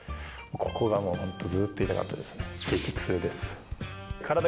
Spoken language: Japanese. ここがもうホントずっと痛かったですね。